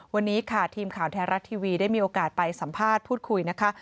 วันนี้ค่ะทีมข่าวไทยรัฐทีวีได้มีโอกาสไปสัมภาษณ์พูดคุยนะคะ